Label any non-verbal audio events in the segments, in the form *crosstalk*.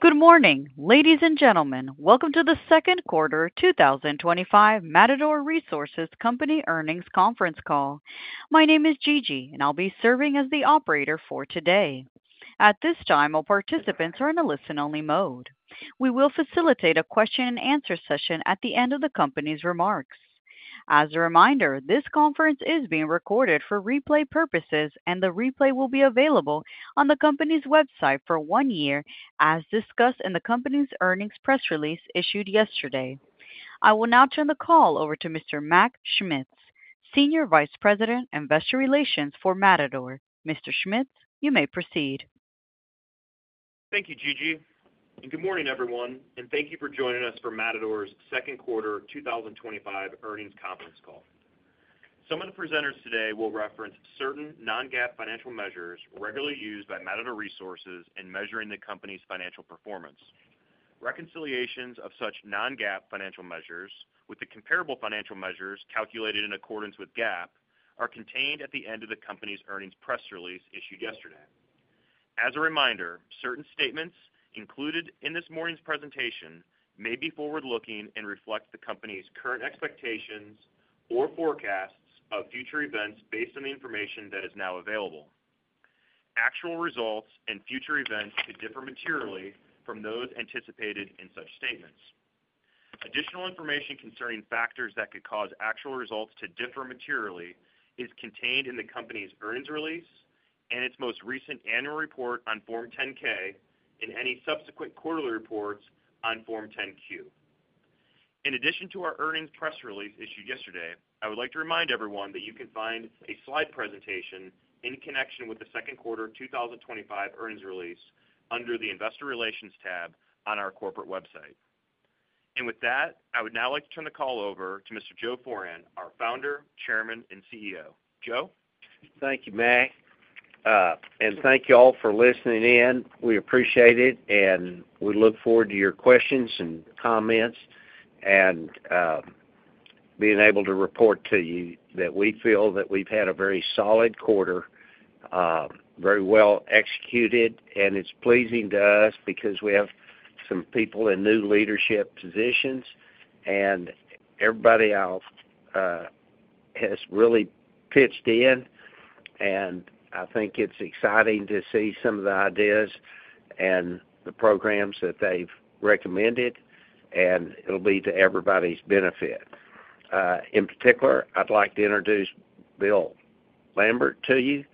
Good morning, ladies and gentlemen. Welcome to the Second Quarter 2025 Matador Resources Company Earnings Conference Call. My name is Gigi and I'll be serving as the operator for today. At this time, all participants are in a listen only mode. We will facilitate a question and answer session at the end of the Company's remarks. As a reminder, this conference is being recorded for replay purposes and the replay will be available on the Company's website for one year, as discussed in the Company's earnings press release issued yesterday. I will now turn the call over to Mr. Mac Schmitz, Senior Vice President Investor Relations for Matador. Mr. Schmitz, you may proceed. Thank you, Gigi, and good morning everyone, and thank you for joining us for Matador Resources Company's Second Quarter 2025 Earnings Conference Call. Some of the presenters today will reference certain non-GAAP financial measures regularly used by Matador Resources, including in measuring the company's financial performance. Reconciliations of such non-GAAP financial measures with the comparable financial measures calculated in accordance with GAAP are contained at the end of the company's earnings press release issued yesterday. As a reminder, certain statements included in this morning's presentation may be forward-looking and reflect the company's current expectations or forecasts of future events based on the information that is now available. Actual results and future events could differ materially from those anticipated in such statements. Additional information concerning factors that could cause actual results to differ materially is contained in the company's earnings release and its most recent annual report on Form 10-K and any subsequent quarterly reports on Form 10-Q. In addition to our earnings press release issued yesterday, I would like to remind everyone that you can find a slide presentation in connection with the second quarter 2025 earnings release under the Investor Relations tab on our corporate website. With that, I would now like. To turn the call over to Mr. Joe Foran, our Founder, Chairman, and CEO. Joe. Thank you, Mac. And thank you all for listening in. We appreciate it, and we look forward to your questions and comments and being able to report to you that we feel that we've had a very solid quarter, very well executed, and it's pleasing to us because we have some people in new leadership positions and everybody else has really pitched in. I think it's exciting to see some of the ideas and the programs that they've recommended, and it'll be to everybody's benefit. In particular, I'd like to introduce Bill Lambert to you.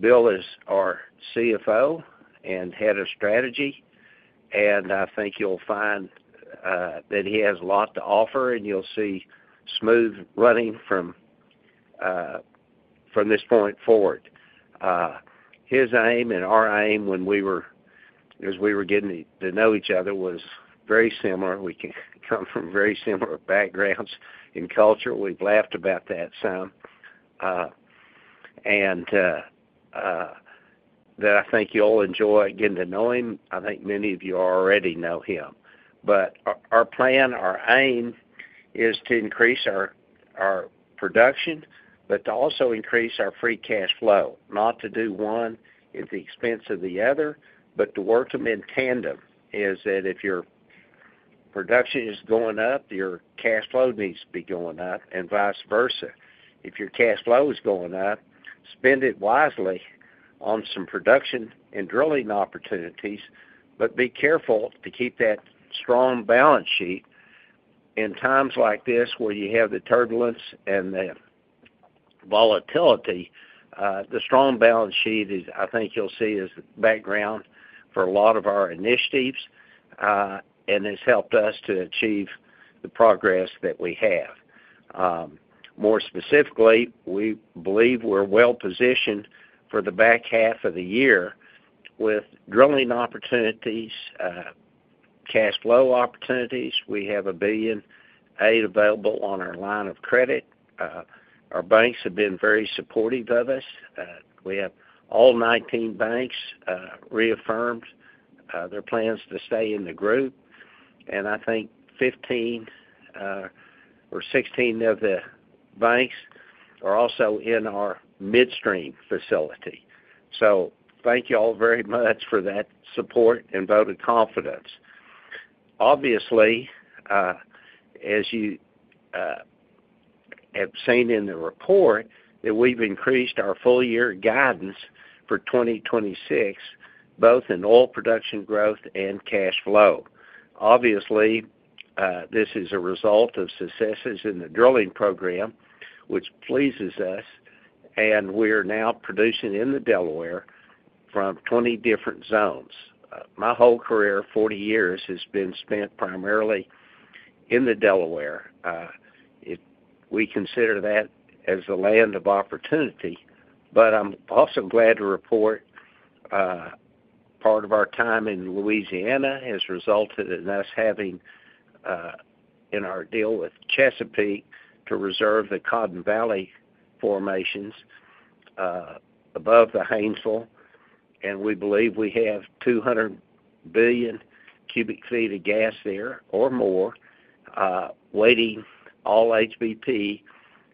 Bill is our CFO and Head of Strategy, and I think you'll find that he has a lot to offer, and you'll see smooth running from this point forward. His aim and our aim as we were getting to know each other was very similar. We come from very similar backgrounds in culture. We've laughed about that some, and I think you all enjoy getting to know him. I think many of you already know him. Our plan, our aims, is to increase our production, but to also increase our free cash flow. Not to do one at the expense of the other, but to work them in tandem. If your production is going up, your cash flow needs to be going up, and vice versa. If your cash flow is going up, spend it wisely on some production and drilling opportunities, but be careful to keep that strong balance sheet in times like this where you have the turbulence and the volatility. The strong balance sheet, I think you'll see, is background for a lot of our initiatives and has helped us to achieve the progress that we have. More specifically, we believe we're well positioned for the back half of the year with drilling opportunities and cash flow opportunities. We have $1.8 billion available on our line of credit. Our banks have been very supportive of us. We have all 19 banks reaffirmed their plans to stay in the group, and I think 15-16 of the banks are also in our midstream facility. Thank you all very much for that support and vote of confidence. Obviously, as you have seen in the report, we've increased our full-year guidance for 2026 both in oil production growth and cash flow. This is a result of successes in the drilling program, which pleases us. We are now producing in the Delaware from 20 different zones. My whole career, 40 years, has been spent primarily in the Delaware. We consider that as a land of opportunity. I'm also glad to report part of our time in Louisiana has resulted in us having in our deal with Chesapeake to reserve the Cotton Valley formations above the Haynesville. We believe we have 200 billion cu ft of gas there or more waiting, all HBP,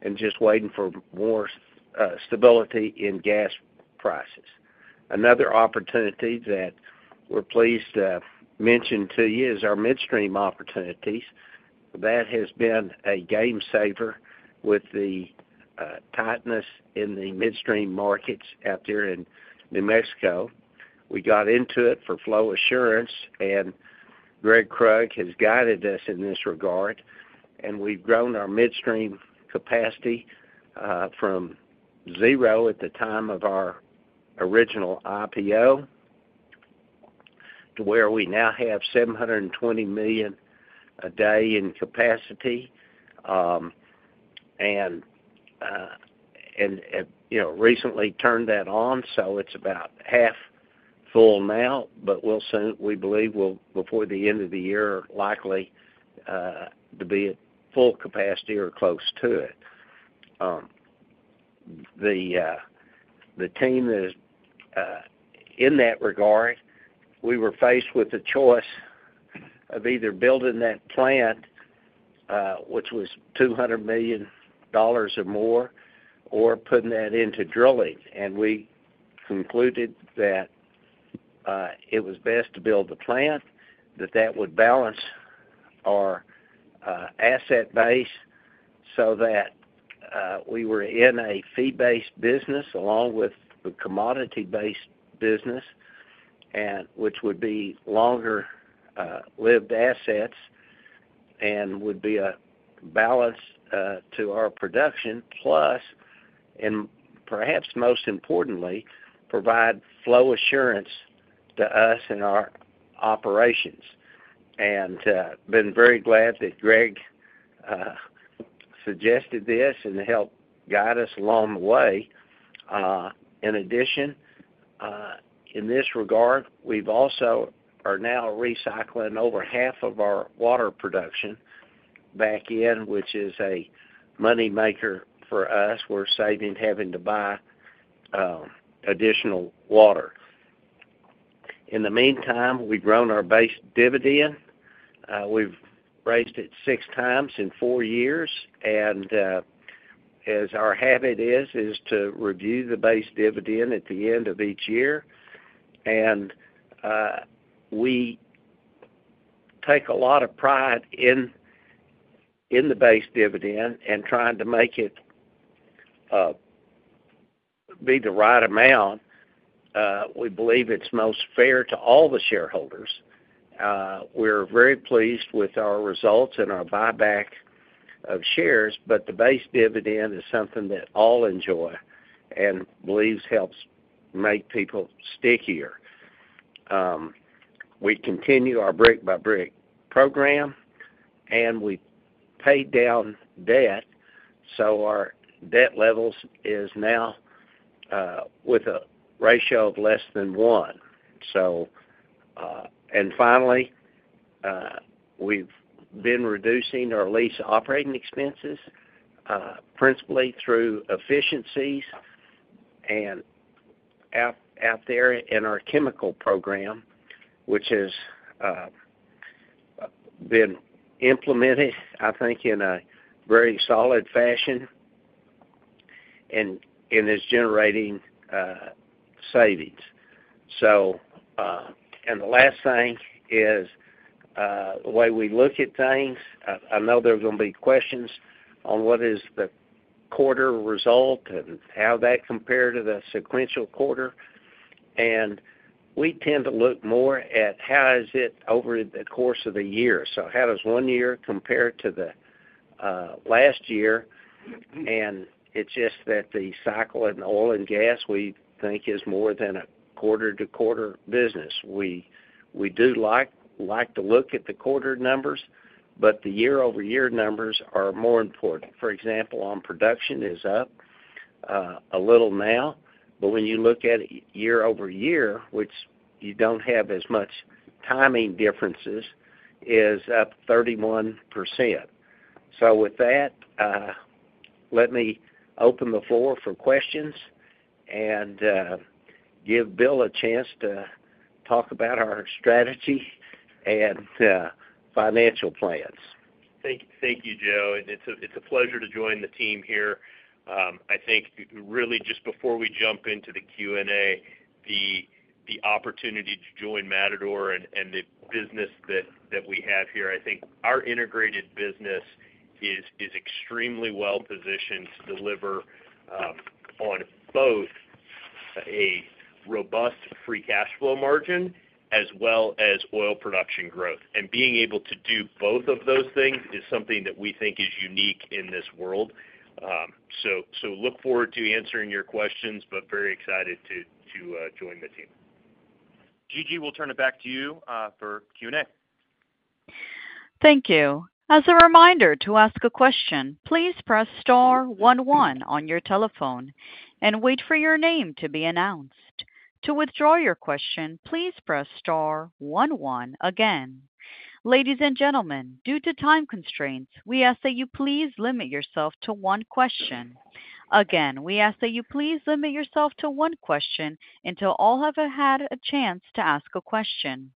and just waiting for more stability in gas prices. Another opportunity that I'm pleased to mention to you is our midstream opportunities that has been a game saver with the tightness in the midstream markets out there in New Mexico. We got into it for flow assurance, and Gregg Krug has guided us in this regard. We've grown our midstream capacity from zero at the time of our original IPO to where we now have 720 million cu ft a day in capacity and recently turned that on. It's about half full now, but we believe before the end of the year likely to be at full capacity or close to it. The team in that regard, we were faced with the choice of either building that plant, which was $200 million or more, or putting that into drilling. We concluded that it was best to build a plant that would balance our asset base so that we were in a fee-based business along with the commodity-based business, which would be longer-lived assets and would be a balance to our production plus, and perhaps most importantly, provide flow assurance to us and our operations. I've been very glad that Gregg suggested this and helped guide us along the way. In addition, in this regard, we also are now recycling over half of our water production back in, which is a money maker for us. We're saving having to buy additional water. In the meantime, we've grown our base dividend. We've raised it six times in four years. As our habit is to review the base dividend at the end of each year, and we take a lot of pride in the base dividend and trying to make it be the right amount, we believe it's most fair to all the shareholders. We're very pleased with our results and our buyback of shares. The base dividend is something that all enjoy and believe helps make people stickier. We continue our brick-by-brick program, and we paid down debt, so our debt levels is now with a ratio of less than one. Finally, we've been reducing our lease operating expenses principally through efficiencies out there in our chemical program, which has been implemented, I think, in a very solid fashion and is generating savings. The last thing is the way we look at things, I know there are going to be questions on what is the quarter result and how that compares to the sequential quarter. We tend to look more at how is it over the course of the year. How does one year compare to the last year? The cycle in oil and gas, we think, is more than a quarter-to-quarter business. We do like to look at the quarter numbers, but the year-over-year numbers are more important. For example, on production, it is up a little now, but when you look at it year-over-year, which you don't have as much timing differences, it is up 31%. With that, let me open the floor for questions and give Bill a chance to talk about our strategy and financial plans. Thank you, Joe. It's a pleasure to join the team here. I think really just before we jump into the Q&A, the opportunity to join Matador and the business that we have here. I think our integrated business is extremely well-positioned to deliver on both a robust free cash flow margin as well as oil production growth. Being able to do both of those things is something that we think is unique in this world. I look forward to answering your questions, but very excited to join the team. Gigi, we'll turn it back to you for Q&A. Thank you. As a reminder to ask a question, please press star one one on your telephone and wait for your name to be announced. To withdraw your question, please press star one one. Again, ladies and gentlemen, due to time constraints, we ask that you please limit yourself to one question. Again, we ask that you please limit yourself to one question until all have had a chance to ask a question,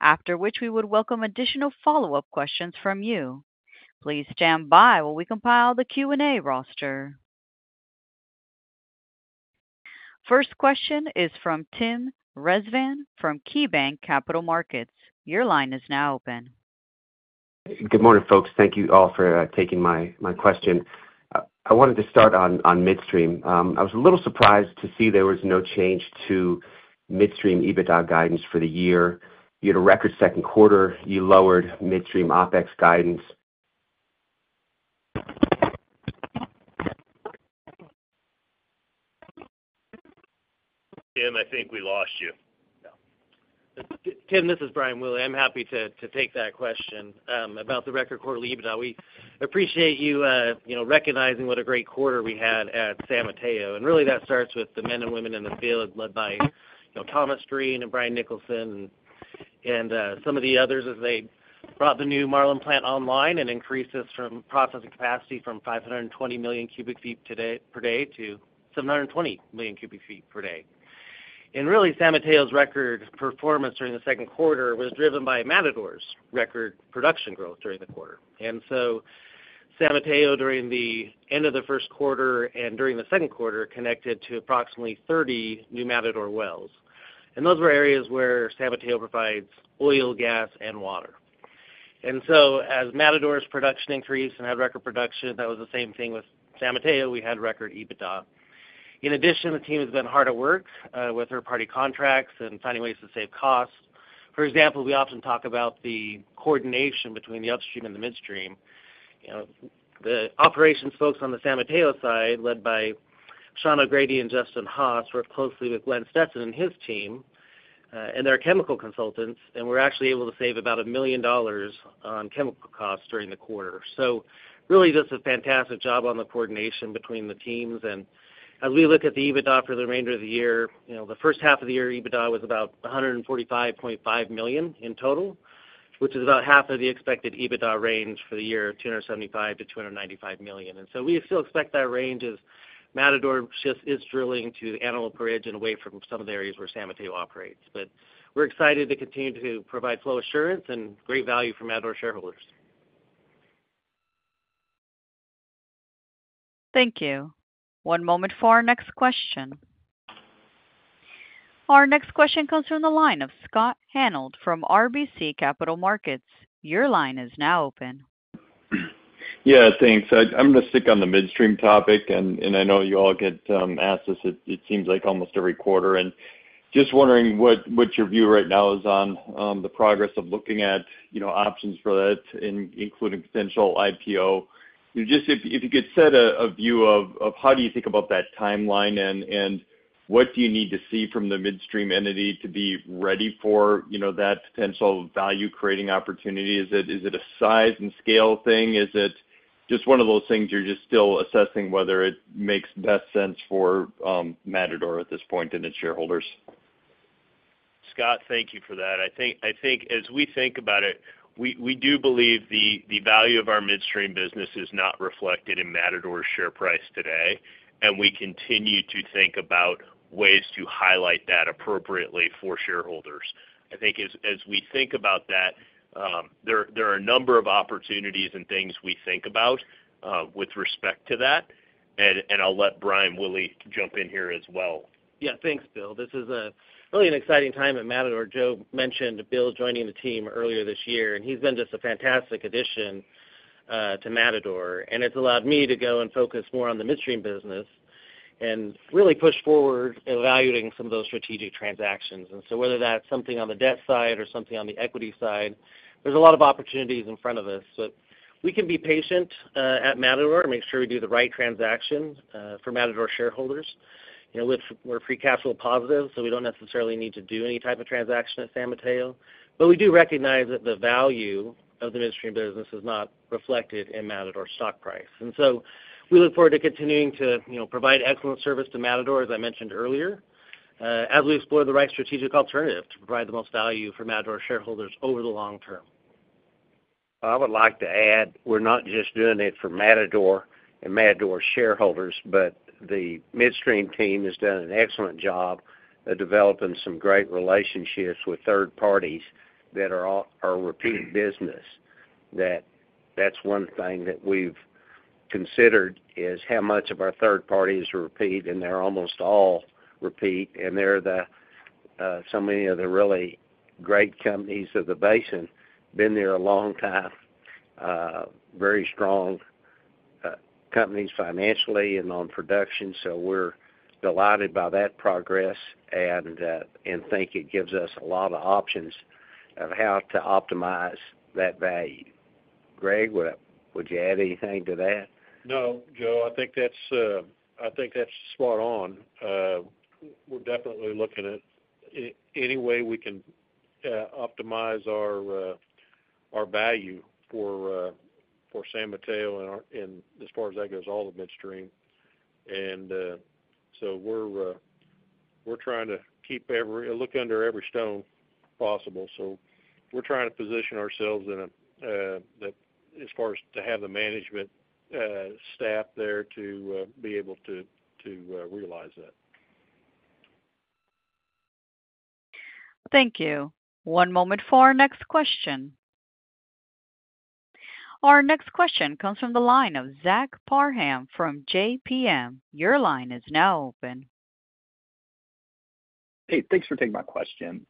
after which we would welcome additional follow-up questions from you. Please stand by while we compile the Q&A roster. First question is from Tim Rezvan from KeyBanc Capital Markets. Your line is now open. Good morning, folks. Thank you all for taking my question. I wanted to start on midstream. I was a little surprised to see there was no change to midstream EBITDA guidance for the year. You had a record second quarter. You lowered midstream OpEx guidance. Tim, I think we lost you. Tim, this is Brian Willey. I'm happy to take that question about the record quarter EBITDA. We appreciate you recognizing what a great quarter we had at San Mateo. That really starts with the men and women in the field led by Thomas Drean and Brian Nicholson, and some of the others as they brought the new Marlan Plant online and increased its processing capacity from 520 million cu ft per day-720 million cu ft per day. San Mateo's record performance during the second quarter was driven by Matador's record production growth during the quarter. San Mateo, during the end of the first quarter and during the second quarter, connected to approximately 30 new Matador wells. Those were areas where San Mateo provides oil, gas, and water. As Matador's production increased and had record production, that was the same thing with San Mateo. We had record EBITDA. In addition, the team has been hard at work with third-party contracts and finding ways to save costs. For example, we often talk about the coordination between the upstream and the midstream. The operations folks on the San Mateo side, led by Sean O'Grady and Justin Haas, work closely with Glenn Stetson and his team and their chemical consultants. We were actually able to save about $1 million on chemical costs during the quarter. Really just a fantastic job on the coordination between the teams. As we look at the EBITDA for the remainder of the year, the first half of the year EBITDA was about $145.5 million in total, which is about half of the expected EBITDA range for the year, $275 million-$295 million. We still expect that range as Matador is drilling to Antelope Ridge and away from some of the areas. Where San Mateo operates. We are excited to continue to provide flow assurance and great value for Matador shareholders. Thank you. One moment for our next question. Our next question comes from the line of Scott Hanold from RBC Capital Markets. Your line is now open. Yeah, thanks. I'm going to stick on the midstream topic, and I know you all get asked this, it seems like almost every quarter, and just wondering what your view right now is on the progress of looking at options for that, including potential IPO. Just if you could set a view of how do you think about that timeline and what do you need to see from the midstream entity to be ready for that potential value-creating opportunity? Is it a size-and-scale thing, just one of those things? You're just still assessing whether it makes best sense for Matador at this point and its shareholders? Scott, thank you for that. I think as we think about it, we do believe the value of our midstream business is not reflected in Matador's share price today. We continue to think about ways to highlight that appropriately for shareholders. I think as we think about that, there are a number of opportunities and things we think about with respect to that. I'll let Brian Willey jump in here as well. Yeah. Thanks, Bill. This is really an exciting time at Matador. Joe mentioned Bill joining the team earlier this year, and he's been just a fantastic addition to Matador, and it's allowed me to go and focus more on the midstream business and really push forward evaluating some of those strategic transactions. Whether that's something on the debt side or something on the equity side, there's a lot of opportunities in front of us. We can be patient at Matador and make sure we do the right transaction for Matador shareholders. We're free cash flow positive, so we don't necessarily need to do any type of transaction at San Mateo. We do recognize that the value of the midstream business is not reflected in Matador's stock price. We look forward to continuing to provide excellent service to Matador as I mentioned earlier, as we explore the right strategic alternative to provide the most value for Matador shareholders over the. Long term. I would like to add we're not just doing it for Matador and Matador shareholders, but the midstream team has done an excellent job of developing some great relationships with third parties that are repeat business. That's one thing that we've considered is how much of our third parties are repeat, and they're almost all repeat. Many of the really great companies of the basin have been there a long time, very strong companies financially and on production. We are delighted by that progress and think it gives us a lot of options of how to optimize that value. Greg, would you add anything to that? No, Joe, I think that's it. I think that's spot on. We're definitely looking at any way we can. Can optimize our value for San Mateo. As far as that goes, all the midstream. We're trying to keep every. Look under every stone possible. We're trying to position ourselves. As far as to have the management staff. To be able to realize that. Thank you. One moment for our next question. Our next question comes from the line of Zach Parham from JPM. Your line is now open. Hey, thanks for taking my question.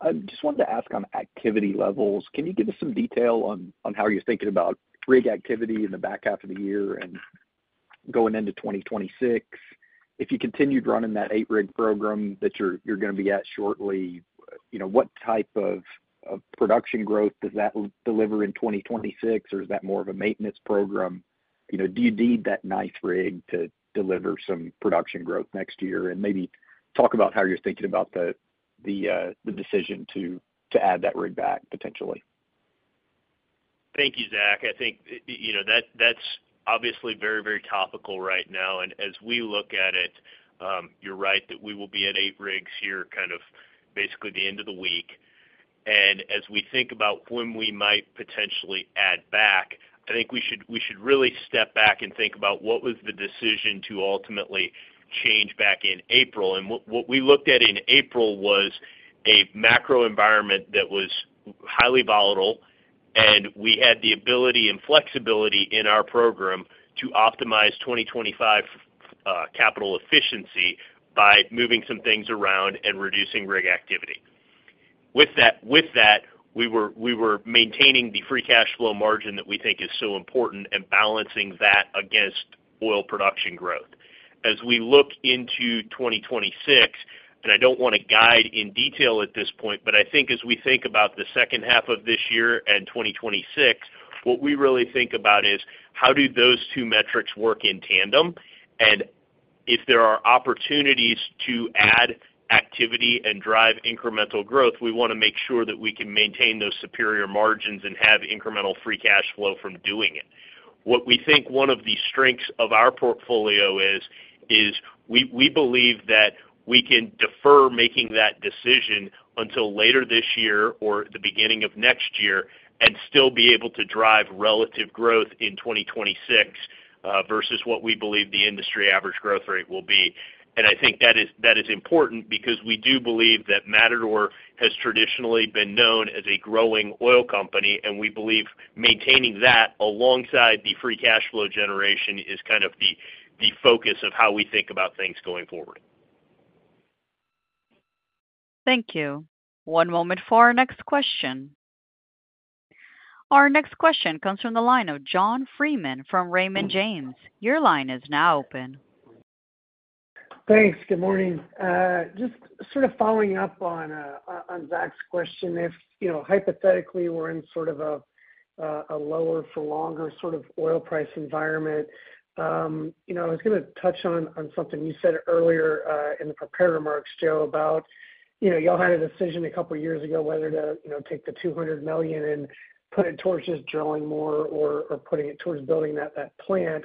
I just wanted to ask on activity levels, can you give us some detail on how you're thinking about rig activity in the back half of the year and going into 2026, if you continued running that eight-rig program that you're going to be at shortly? You know, what type of production growth does that deliver in 2026? Is that more of a maintenance program? Do you need that ninth rig to deliver some production growth next year? Maybe talk about how you're thinking about the decision to add that rig back potentially? Thank you, Zach. I think that's obviously very, very topical right now. As we look at it, you're right that we will be at eight rigs here basically at the end of the week. As we think about when we might potentially add back, I think we should really step back and think about what was the decision to ultimately change back in April. What we looked at in April was a macro environment that was highly volatile. We had the ability and flexibility in our program to optimize 2025 capital efficiency by moving some things around and reducing rig activity. With that, we were maintaining the free cash flow margin that we think is so important and balancing that against oil production growth as we look into 2026. I don't want to guide in detail at this point, but I think as we think about the second half of this year and 2026, what we really think about is how do those two metrics work in tandem. If there are opportunities to add activity and drive incremental growth, we want to make sure that we can maintain those superior margins and have incremental free cash flow from doing it. What we think one of the strengths of our portfolio is, is we believe that we can defer making that decision until later this year or the beginning of next year and still be able to drive relative growth in 2026 versus what we believe the industry average growth rate will be. I think that is important because we do believe that Matador has traditionally been known as a growing oil company. We believe maintaining that alongside the free cash flow generation is kind of the focus of how we think about things going forward. Thank you. One moment for our next question. Our next question comes from the line of John Freeman from Raymond James. Your line is now open. Thanks. Good morning. Just sort of following up on Zach's question. If hypothetically we're in sort of a lower for longer sort of oil price environment, I was going to touch on something you said earlier in the prepared remarks, Joe, about, you know, y'all had a decision a couple years ago whether to take the $200 million and put it towards just drilling more or putting it towards building that plant.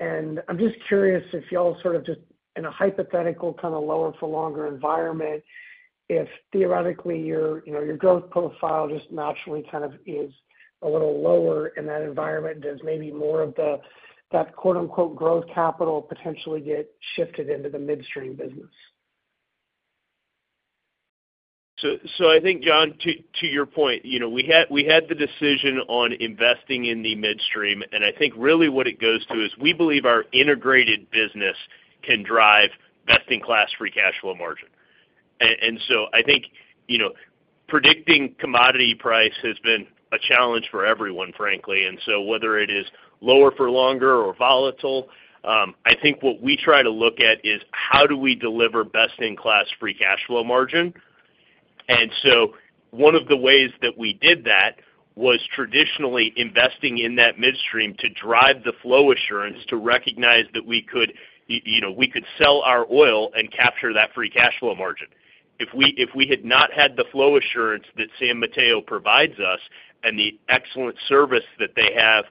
I'm just curious if y'all, sort of just in a hypothetical kind of lower for longer environment, if theoretically your growth profile just naturally kind of is a little lower in that environment, does maybe more of that, quote, unquote, growth capital potentially get shifted into the midstream business? I think, John, to your point, we had the decision on investing in the midstream. I think really what it goes to is we believe our integrated business can drive best-in-class free cash flow margin. Predicting commodity price has been a challenge for everyone, frankly. Whether it is lower for longer or volatile, I think what we try to look at is how do we deliver best-in-class free cash flow margin. One of the ways that we did that was traditionally investing in that midstream to drive the flow assurance, to recognize that we could sell our oil and capture that free cash flow margin. If we had not had the flow assurance that San Mateo provides us and the excellent service that they have,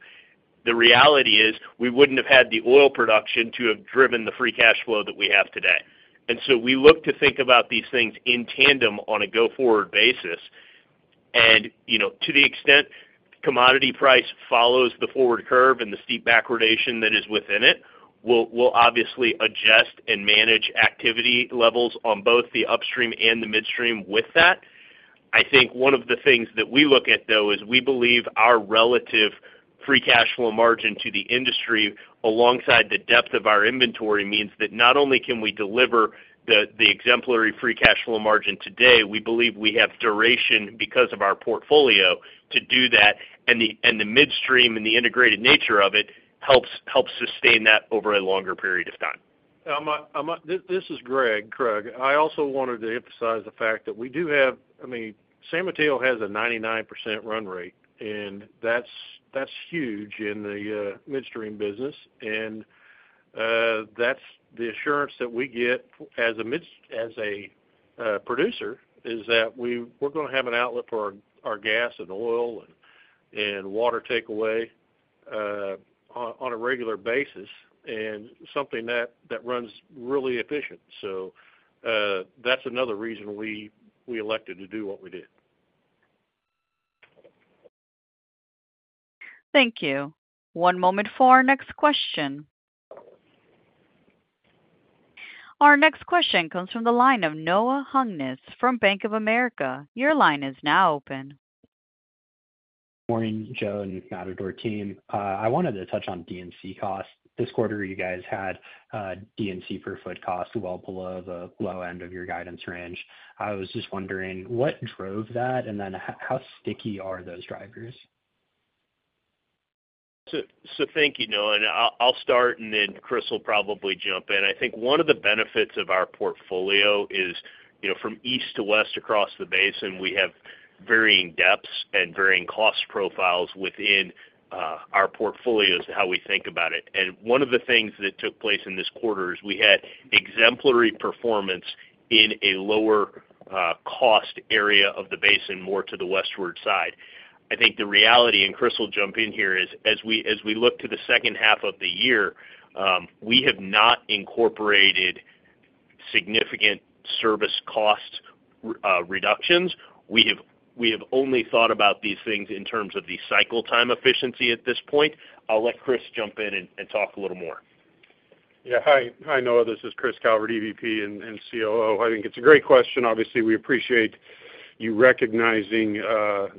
the reality is we wouldn't have had the oil production to have driven the free cash flow that we have today. We look to think about these things in tandem on a go-forward basis. To the extent commodity price follows the forward curve and the steep backwardation that is within it, we'll obviously adjust and manage activity levels on both the upstream and the midstream with that. I think one of the things that we look at though is we believe our relative free cash flow margin to the industry alongside the depth of our inventory means that not only can we deliver the exemplary free cash flow margin today, we believe we have duration because of our portfolio to do that. The midstream and the integrated nature of it helps sustain that over a longer period of time. This is Craig Adams. I also wanted to emphasize the fact. That we do have, I mean, San Mateo. Mateo has a 99% run rate, and that's huge in the midstream business. That's the assurance that we get as a producer, is that we're going. To have an outlet for our gas and oil and water takeaway on. A regular basis and something that runs really efficiently. That is another reason we elected to do what we did. Thank you. One moment for our next question. Our next question comes from the line of Noah Hungness from Bank of America. Your line is now open. Morning Joe and Matador team. I wanted to touch on D&C costs this quarter. You guys had D&C per foot cost well below the low end of your guidance range. I was just wondering what drove that? How sticky are those drivers? Thank you. Noah, I'll start and then Chris will probably jump in. I think one of the benefits of our portfolio is from east to west across the basin, we have varying depths and varying cost profiles within our portfolios. How we think about it, and one of the things that took place in this quarter is we had exemplary performance in a lower cost area of the basin, more to the westward side. I think the reality, and Chris will jump in here, is as we look to the second half of the year, we have not incorporated significant service cost reductions. We have only thought about these things in terms of the cycle time efficiency at this point. I'll let Chris jump in and talk a little more. Yeah, hi, Noah, this is Chris Calvert, EVP and COO. I think it's a great question. Obviously, we appreciate you recognizing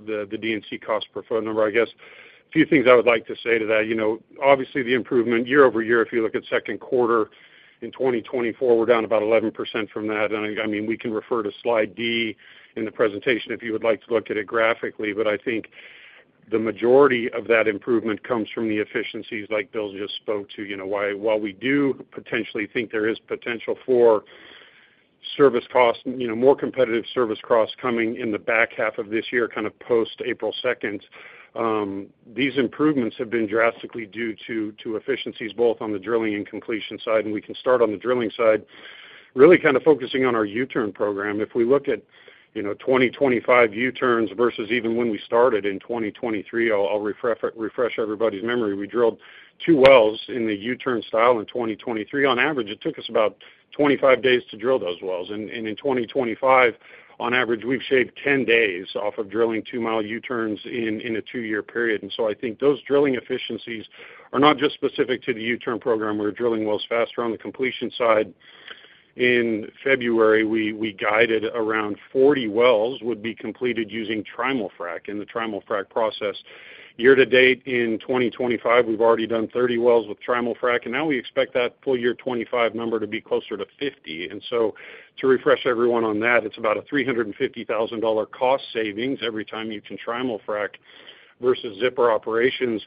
the D&C cost per foot number. I guess a few things I would like to say to that, you know, obviously the improvement year-over-year, if you look at second quarter in 2024, we're down about 11% from that. I mean, we can refer to slide D in the presentation if you would like to look at it graphically. I think the majority of that improvement comes from the efficiencies like Bill just spoke to. While we do potentially think there is potential for service costs, you know, more competitive service costs coming in the back half of this year, kind of post April 2nd, these improvements have been drastically due to efficiencies both on the drilling and completion side. We can start on the drilling side, really kind of focusing on our U-turn program. If we look at, you know, 2025 U-turns versus even when we started in 2023, I'll refresh everybody's memory. We drilled two wells in the U-turn style in 2023. On average, it took us about 25 days to drill those wells. In 2025, on average, we've shaved 10 days off of drilling 2 mi U-turns in a two-year period. I think those drilling efficiencies are not just specific to the U-turn program. We're drilling wells faster on the completion side. In February, we guided around 40 wells would be completed using Trimulfrac in the Trimulfrac process. Year to date in 2025, we've already done 30 wells with Trimulfrac, and now we expect that full-year 2025 number to be closer to 50. To refresh everyone on that, it's about a $350,000 cost savings every time you can Trimulfrac versus zipper operations.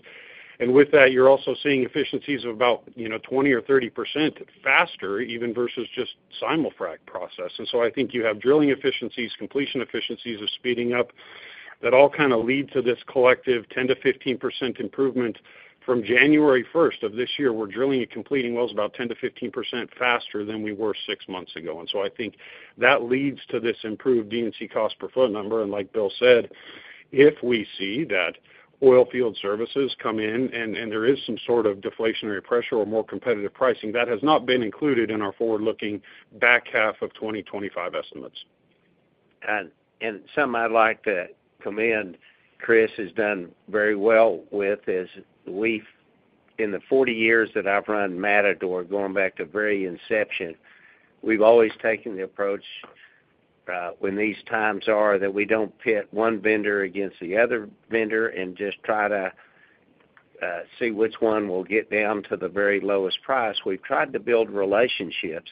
With that, you're also seeing efficiencies of about 20%-30% faster even versus just Simul-Frac process. I think you have drilling efficiencies, completion efficiencies are speeding up. That all kind of leads to this collective 10%-15% improvement. From January 1st of this year, we're drilling and completing wells about 10%-15% faster than we were six months ago. I think that leads to this improved D&C cost per foot number. Like Bill said, if we see that oilfield services come in and there is some sort of deflationary pressure or more competitive pricing, that has not been included in our forward-looking back-half of 2025 estimates. Something I'd like to commend Chris has done very well with is we've, in the 40 years that I've run Matador, going back to the very inception, always taken the approach, when these times are that we don't pit one vendor against the other vendor and just try to see which one will get down to the very lowest price. We've tried to build relationships,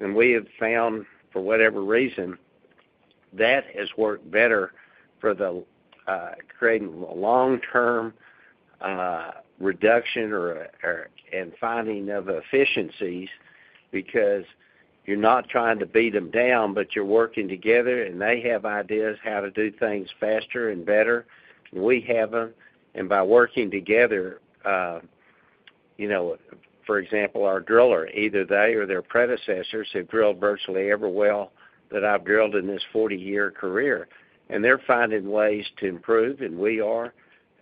and we have found, for whatever reason, that has worked better for creating long-term reduction and finding of efficiencies because you're not trying to beat them down. but you're working together, and they have ideas how to do things faster and better. We have them and by working together, for example, our driller, either they or their predecessors have drilled virtually every well that I've drilled in this 40-year career and they're finding ways to improve and we are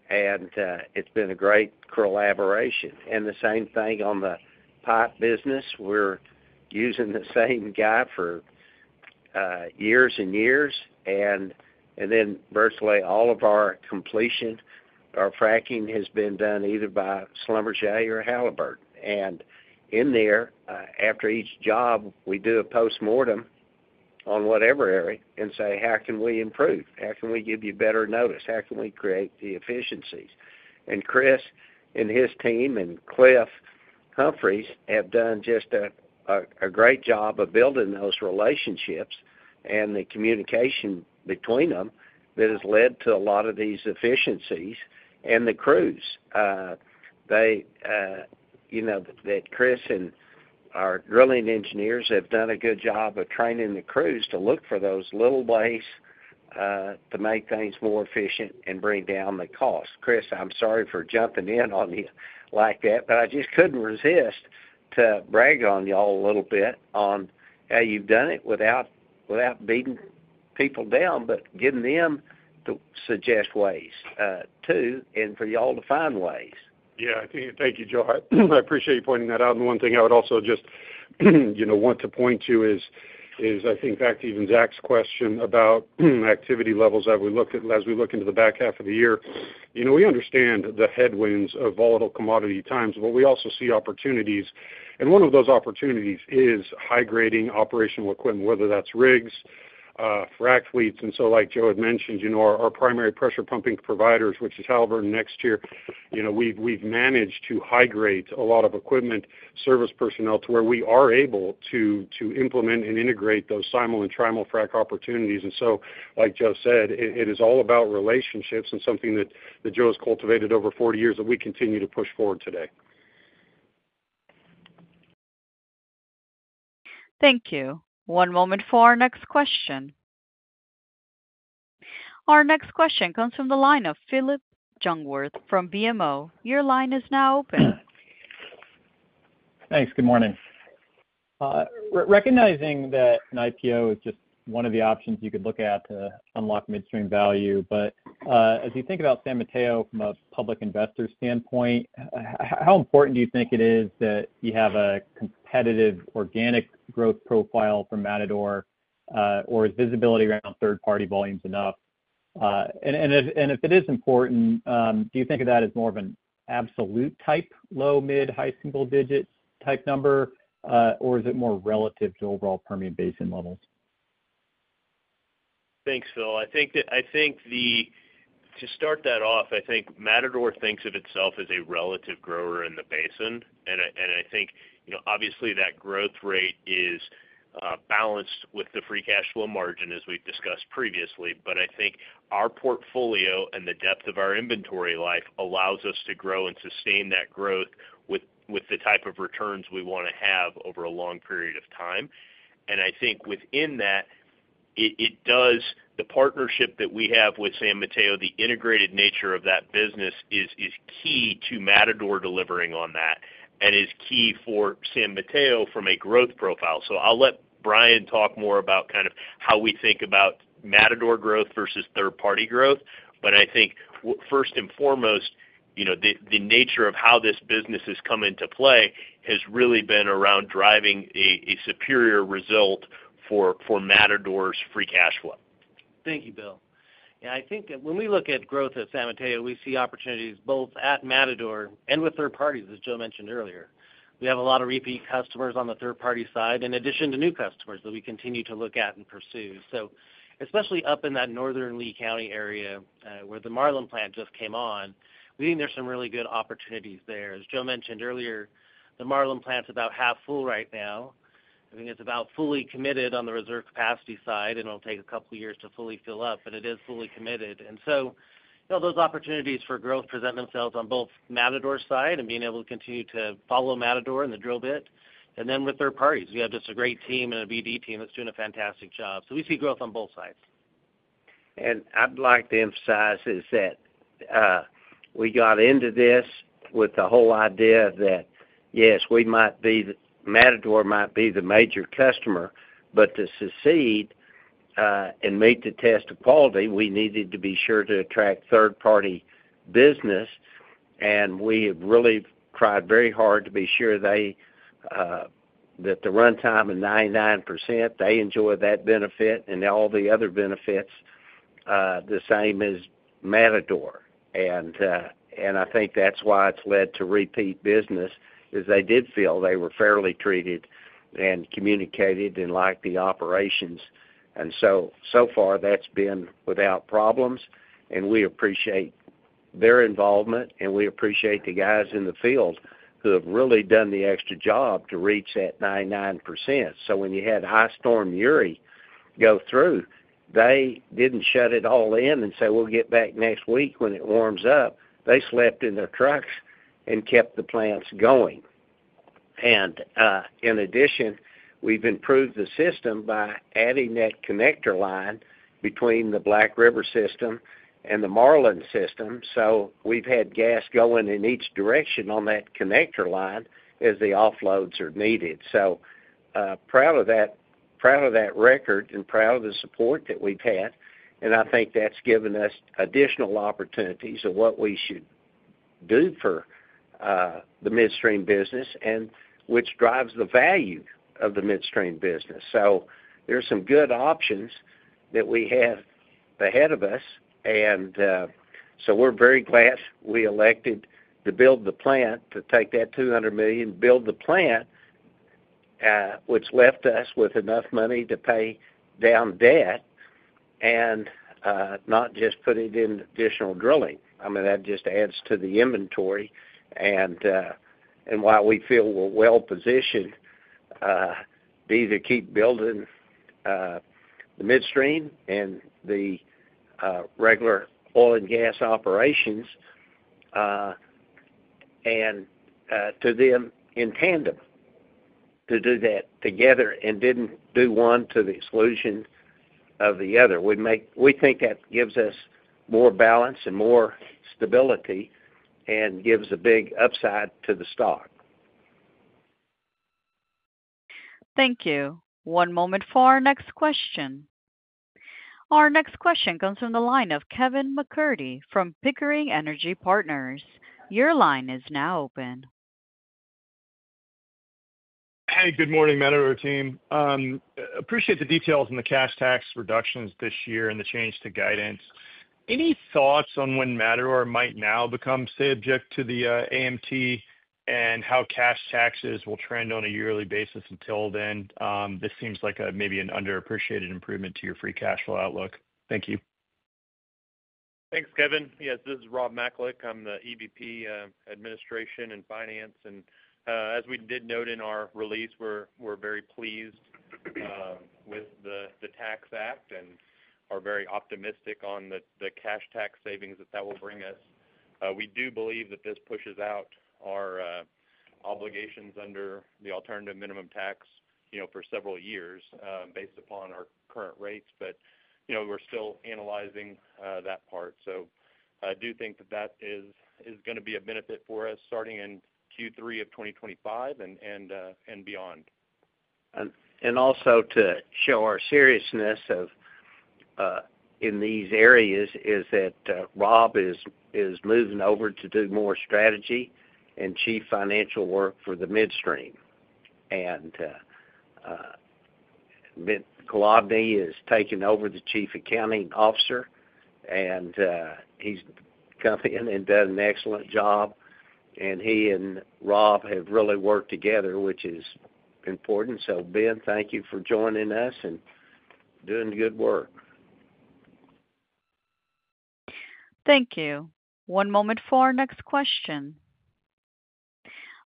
and it's been a great collaboration. The same thing on the pipe business, we're using the same guy for years and years and then virtually all of our completion, our fracking has been done either by Schlumberger or Halliburton. After each job we do a post-mortem on whatever area and say, how can we improve? How can we give you better notice? How can we create the efficiencies? Chris and his team and Cliff Humphreys, have done just a great job of building those relationships and the communication between them that has led to a lot of these efficiencies. The crews, Chris, and our drilling engineers have done a good job of training the crews to look for those little ways to make things more efficient and bring down the cost. Chris, I'm sorry for jumping in on you like that, but I just couldn't resist to brag on y'all a little bit on how you've done it without beating people down, but giving them to suggest ways too and for y'all to find ways. Yeah, thank you, Joe, I appreciate you pointing that out. One thing I would also just want to point to is, I think back to even Zach's question about activity levels. As we look into the back half of the year, we understand the headwinds of volatile commodity times, but we also see opportunities. One of those opportunities is high-grading operational equipment, whether that's rigs or frac fleets. Like Joe had mentioned, our primary pressure pumping providers, which is Halliburton next year, we've managed to high-grade a lot of equipment and service personnel to where we are able to implement and integrate those Simul-Trimulfrac opportunities. Like Joe said, it is all about relationships and something that Joe has cultivated over 40 years that we continue to push forward today. Thank you. One moment for our next question. Our next question comes from the line of Phillip Jungwirth from BMO. Your line is now open. Thanks. Good morning. Recognizing that an IPO is just one of the options you could look at to unlock midstream value, as you think about San Mateo from a public investor standpoint, how important. Do you think it is that you? Have a competitive organic growth profile from Matador, or is visibility around third-party volumes enough? If it is important, do you think of that as more of an. Absolute type low, mid, high single-digit. Type number or is it more relative to overall Permian Basin levels? Thanks, Phil. I think to start that off, I think Matador thinks of itself as a relative grower in the basin. I think obviously that growth rate is balanced with the free cash flow margin as we've discussed previously. I think our portfolio and the depth of our inventory life allows us to grow and sustain that growth with the type of returns we want to have over a long period of time. I think within that it does. The partnership that we have with San Mateo, the integrated nature of that business is key to Matador delivering on that and is key for San Mateo from a growth profile. I'll let Brian talk more about kind of how we think about Matador growth versus third-party growth. I think first and foremost, the nature of how this business has come into play has really been around driving a superior result for Matador's free cash flow. Thank you, Bill. I think when we look at growth at San Mateo, we see opportunities both at Matador and with third parties. As Joe mentioned earlier, we have a lot of repeat customers on the third-party side in addition to new customers that we continue to look at. Especially up in that northern Lee County area where the Marlan Plant just came on, we think there's some really good opportunities there. As Joe mentioned earlier, the Marlan Plant is about half full right now. I think it's about fully committed on the reserve capacity side and it'll take a couple years to fully fill up, but it is fully committed. Those opportunities for growth present themselves on both Matador's side and being able to continue to follow Matador and the drill bit. With third parties, we have just a great team and a BD team that's doing a fantastic job. We see growth on both sides. I'd like to emphasize that we got into this with the whole idea that yes, Matador might be the major customer. To succeed and meet the test of quality, we needed to be sure to attract third-party business. We have really tried very hard to be sure that the runtime is 99%. They enjoy that benefit and all the other benefits the same as Matador. I think that's why it's led to repeat business, as they did feel they were fairly treated and communicated, and like the operations. So, far that's been without problems. We appreciate their involvement. and we appreciate the guys in the field who have really done the extra job to reach that 99%. When you had High Storm Uri go through, they didn't shut it all in and say we'll get back next week when it warms up. They slept in their trucks and kept the plants going. In addition, we've improved the system by adding that connector line between the Black River system and the Marlan system. We've had gas going in each direction on that connector line as the offloads are needed. Proud of that record and proud of the support that we've had. I think that's given us additional opportunities of what we should do for the midstream business, which drives the value of the midstream business. There are some good options that we have ahead of us. We're very glad we elected to build the plant, to take that $200 million, build the plant, which left us with enough money to pay down debt and not just put it in additional drilling. That just adds to the inventory. While we feel we're well positioned to keep building the midstream and the regular oil and gas operations and to do them in tandem, to do that together and didn't do one to the exclusion of the other. We think that gives us more balance and more stability and gives a big upside to the stock. Thank you. One moment for our next question. Our next question comes from the line of Kevin MacCurdy from Pickering Energy Partners. Your line is now open. Hey, good morning Matador team. Appreciate the details on the cash tax reductions this year and the change to guidance. Any thoughts on when Matador might now become subject to the AMT and how cash taxes will trend on a yearly basis? Until then, this seems like maybe an underappreciated improvement to your free cash flow outlook. Thank you. Thanks, Kevin. Yes, this is Rob Macalik. I'm the EVP Administration and Finance, and as we did note in our release, we're very pleased with the Tax Act and are very optimistic, on the cash tax savings that that will bring us. We do believe that this pushes out our obligations under the alternative minimum tax for several years based upon our current rates. We're still analyzing that part. I do think that that is going to be a benefit for us starting in Q3 of 2025 and beyond. To show our seriousness in these areas, Rob Macalik is moving over to do more strategy and Chief Financial work for the midstream, and Mitt Kolodni has taken over as Chief Accounting Officer. He's come in and done an excellent job, and he and Rob have really worked together, which is important. Ben, thank you for joining us and doing good work. Thank you. One moment for our next question.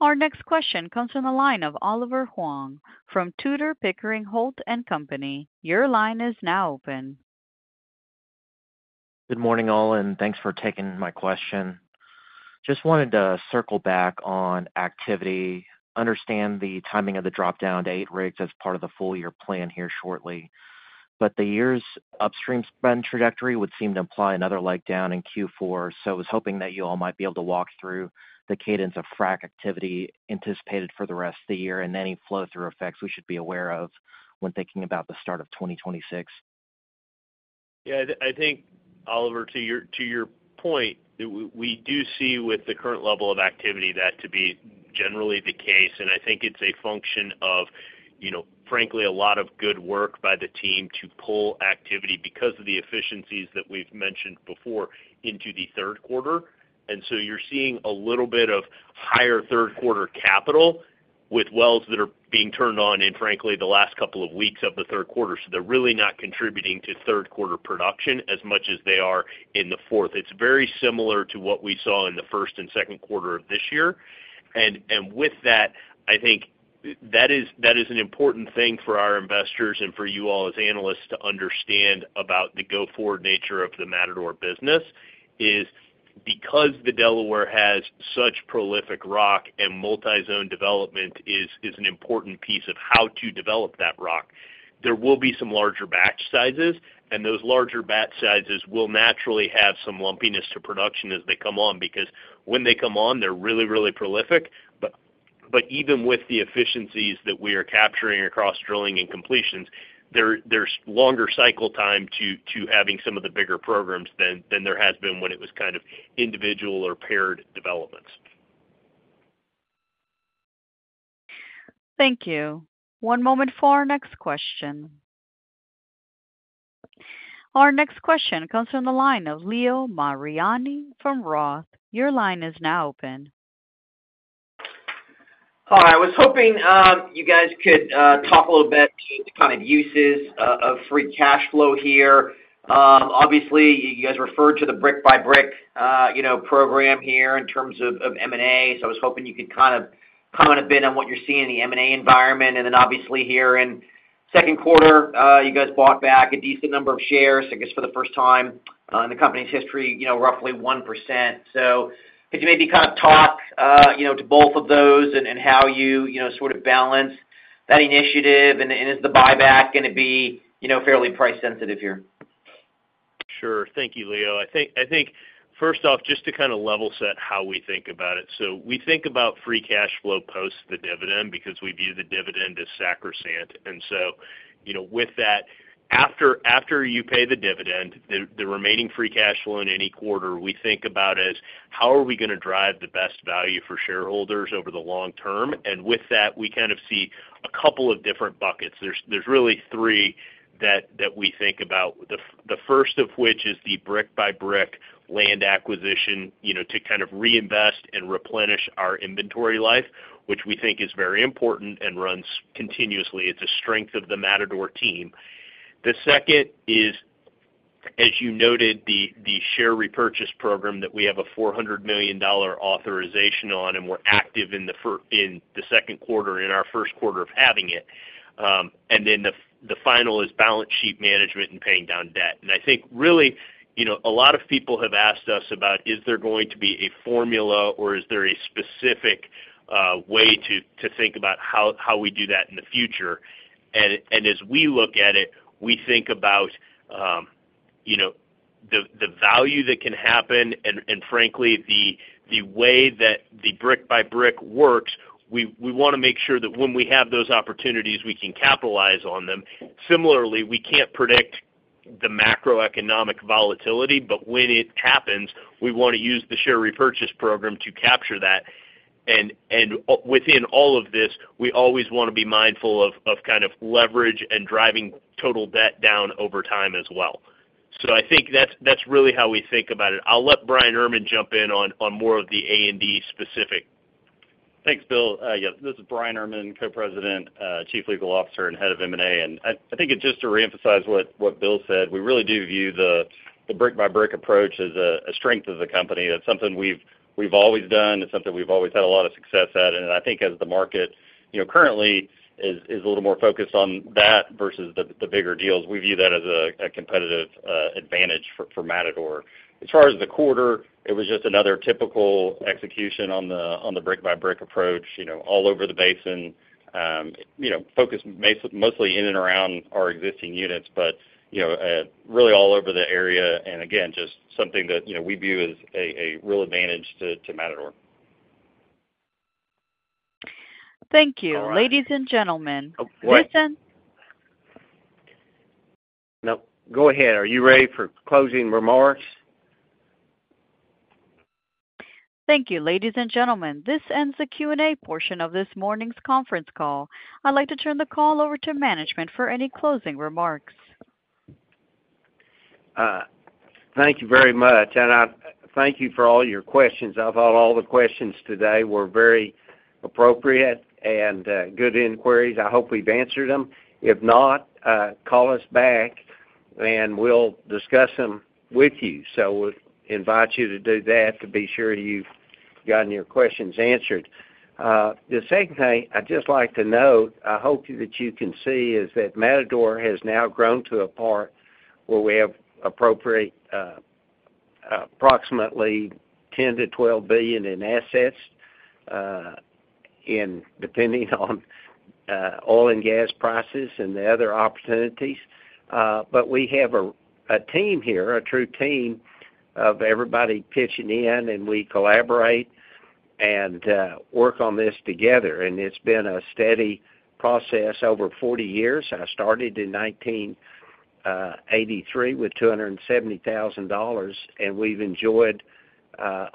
Our next question comes from the line of Oliver Huang from Tudor, Pickering, Holt & Company. Your line is now open. Good morning all and thanks for taking my question. Just wanted to circle back on activity, understand the timing of the drop-down. To eight rigs as part of the. Full-year plan here shortly. The year's upstream spend trajectory would seem to imply another leg down in Q4. I was hoping that you all might be able to walk through the. Cadence of frac activity anticipated for the. Rest of the year and any flow. Are effects we should be aware of when thinking about the start of 2026? Yeah, I think, Oliver, to your point, we do see with the current level of activity that to be generally the case, and I think it's a function of, frankly, a lot of good work by the team to pull activity, because of the efficiencies that we've mentioned before, into the third quarter. You're seeing a little bit of higher third-quarter capital with wells that are being turned on in, frankly, the last couple of weeks of the third quarter. They're really not contributing to third-quarter production as much as they are in the fourth. It's very similar to what we saw in the first and second-quarter of this year. I think that is an important thing for our investors and for you all as analysts to understand about the go forward nature of the Matador business, because the Delaware has such prolific rock and multi-zone development is an important piece of how to develop that rock. There will be some larger batch sizes, and those larger batch sizes will naturally have some lumpiness to production as they come on, because when they come on, they're really, really prolific. Even with the efficiencies that we are capturing across drilling and completions, there's longer cycle time to having some of the bigger programs than there has been when it was kind of individual or paired developments. Thank you. One moment for our next question. Our next question comes from the line of Leo Mariani from Roth. Your line is now open. Hi. I was hoping you guys could talk a little bit about uses of. Free cash flow here. Obviously you guys referred to the brick. By brick program here in terms of M&A. I was hoping you could kind of comment a bit on what you're seeing in the M&A environment. Obviously, here in second quarter, you guys bought back a decent number of shares, I guess for the first. Time in the company's history, roughly 1%. Could you maybe kind of talk to both of those and how you. Sort of balance that initiative is. The buyback going to be fairly price sensitive here? Sure. Thank you, Leo. I think first off, just to kind of level set how we think about it. We think about free cash flow post the dividend because we view the dividend as sacrosanct. With that, after you pay the dividend, the remaining free cash flow in any quarter, we think about as how are we going to drive the best value for shareholders over the long term. We kind of see a couple of different buckets. There are really three that we think about, the first of which is the brick-by-how we are going to drive the best value for shareholders over the long term. We kind of see a couple of different buckets. There are really three that we think about, the first of which is the brick-by-brick land acquisition to kind of reinvest and replenish our inventory life, which we think is very important and runs continuously. It's a strength of the Matador team. The second is, as you noted, the share repurchase program that we have a $400 million authorization on. We're active in the second quarter, in our first quarter of having it. The final is balance sheet management and paying down debt. I think really a lot of people have asked us about is there going to be a formula or is there a specific way to think about how we do that in the future. As we look at it, we think about the value that can happen and, frankly, the way that the brick-by-brick works, we want to make sure that when we have those opportunities, we can capitalize on them. Similarly, we can't predict the macroeconomic volatility, but when it happens, we want to use the share repurchase program to capture that. Within all of this, we always want to be mindful of leverage and driving total debt down over time as well. I think that's really how we think about it. I'll let Brian Willey jump in on more of the M&A specific. Thanks, Bill. This is Bryan Erman, Co-President, Chief Legal Officer, and Head of M&A. I think just to reemphasize what Bill said, we really do view the brick-by-brick approach as a strength of the company. That's something we've always done. It's something we've always had a lot of success at. I think, as the market currently is a little more focused on that versus the bigger deals, we view that as a competitive advantage for Matador. As far as the quarter, it was just another typical execution on the brick-by-brick approach all over the basin, focused mostly in and around our existing units, but really all over the area. Again, just something that we view as a real advantage to Matador. Thank you, *crosstalk* ladies and gentlemen. Listen. *crosstalk* No, go ahead. Are you ready for closing remarks? Thank you, ladies and gentlemen. This ends the Q&A portion of this morning's conference call. I'd like to turn the call over to management for any closing remarks. Thank you very much and I thank you for all your questions. I thought all the questions today were very appropriate and good inquiries. I hope we've answered them. If not, call us back and we'll discuss them with you. We invite you to do that to be sure you've gotten your questions answered. The second thing I'd just like to note, I hope that you can see is that Matador has now grown to a part where we have approximately $10-$12 billion in assets, depending on oil and gas prices and the other opportunities. We have a team here, a true team of everybody pitching in, and we collaborate and work on this together. It's been a steady process over 40 years. I started in 1983 with $270,000, and we've enjoyed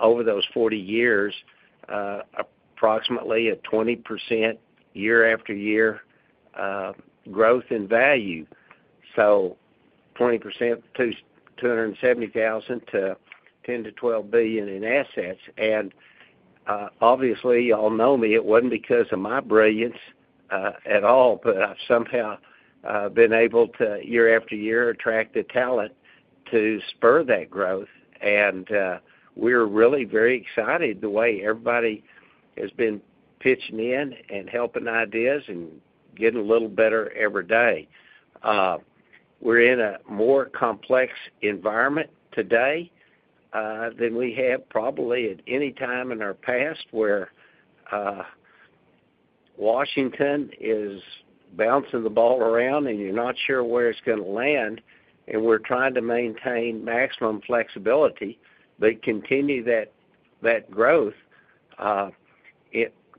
over those 40 years approximately a 20% year-after-year growth in value. So, 20% [to turn] $270,000 to $10-$12 billion in assets. Obviously, you all know me, it wasn't because of my brilliance at all, but I've somehow been able to, year after year, attract the talent to spur that growth. We're really very excited the way everybody has been pitching in and helping ideas and getting a little better every day. We're in a more complex environment today than we have probably at any time in our past where Washington is bouncing the ball around and you're not sure where it's going to land and we're trying to maintain maximum flexibility, but continue that growth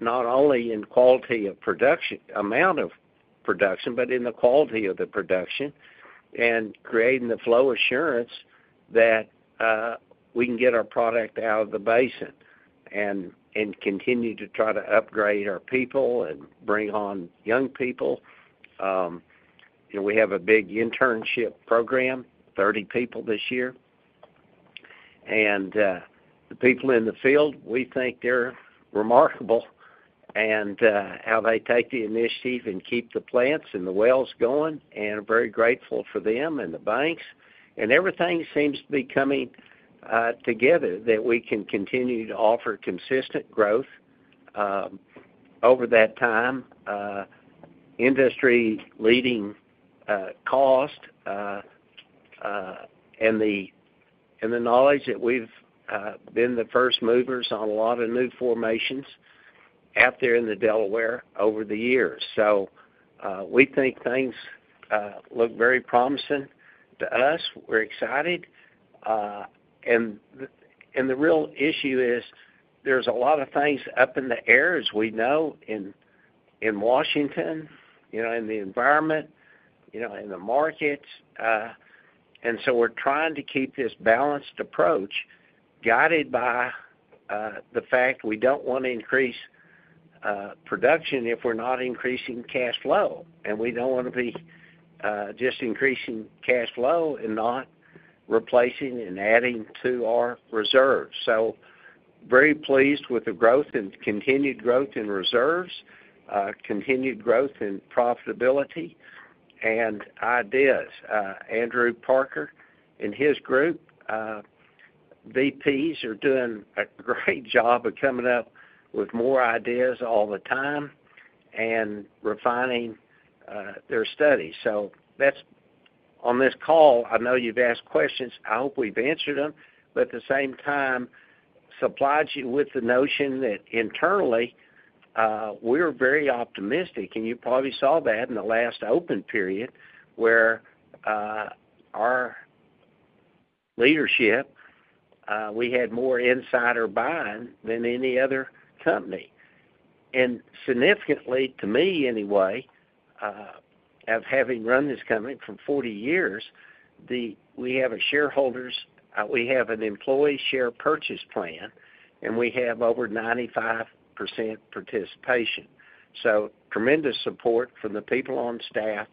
not only in quality of production, amount of production, but in the quality of the production and creating the flow assurance that we can get our product out of the basin and continue to try to upgrade our people and bring on young people. We have a big internship program, 30 people this year. The people in the field, we think they're remarkable and how they take the initiative and keep the plants and the wells going and very grateful for them and the banks and everything seems to be coming together that we can continue to offer consistent growth over that time, industry leading, cost and the knowledge that we've been the first movers on a lot of new formations out there in the Delaware over the years. We think things look very promising to us. We're excited. The real issue is there's a lot of things up in the air, as we know, in Washington, in the environment, in the markets. We are trying to keep this balanced approach guided by the fact we don't want to increase production if we're not increasing cash flow, and we don't want to be just increasing cash flow and not replacing and adding to our reserves. Very pleased with the growth and continued growth in reserves, continued growth in profitability, and ideas. Andrew Parker and his group VPs are doing a great job of coming up with more ideas all the time and refining their studies. That's on this call. I know you've asked questions, I hope we've answered them, but at the same time, supplied you with the notion that internally we're very optimistic, and you probably saw that in the last open period where our leadership, we had more insider buying than any other company. Significantly to me anyway, having run this company for 40 years, we have shareholders, we have an employee share purchase plan, and we have over 95% participation. Tremendous support from the people on staff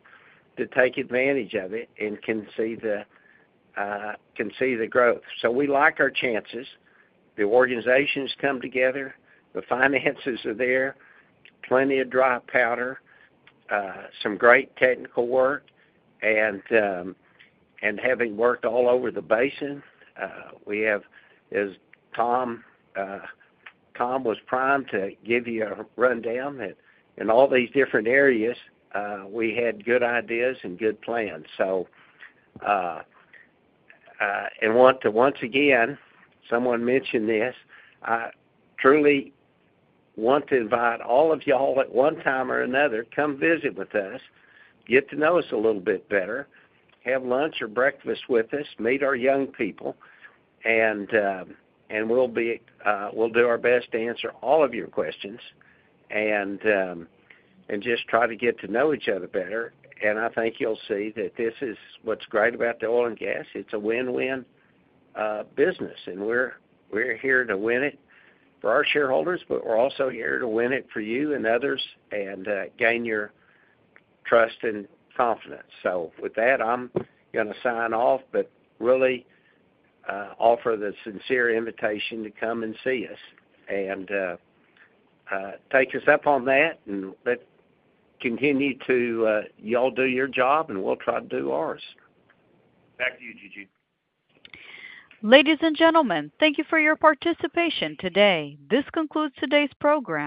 to take advantage of it, and can see the growth. We like our chances. The organizations come together, the finances are there, plenty of dry powder, some great technical work. Having worked all over the basin, we have, as Tom was primed to give you a rundown in all these different areas. We had good ideas and good plans and want to, once again, someone mentioned this. Truly want to invite all of you all at one time or another, come visit with us, get to know us a little bit better, have lunch or breakfast with us, meet our young people and we'll do our best to answer all of your questions and just try to get to know each other better. I think you'll see that this is what's great about the oil and gas. It's a win-win business, and we're here to win it for our shareholders. We're also here to win it for you and others and gain your trust and confidence. With that, I'm going to sign off, but really offer the sincere invitation to come and see us and take us up on that and let continue to. You all do your job, and we'll try to do ours. Back to you, Gigi. Ladies and gentlemen, thank you for your participation today. This concludes today's program.